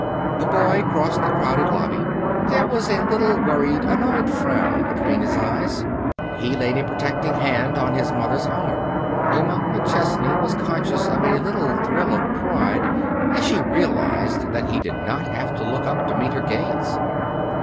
The boy crossed the crowded lobby. There was a little worried, annoyed frown between his eyes. He laid a protecting hand on his mother's arm. Emma McChesney was conscious of a little thrill of pride as she realized that he did not have to look up to meet her gaze.